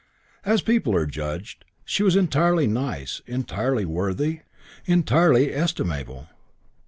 As people are judged, she was entirely nice, entirely worthy, entirely estimable.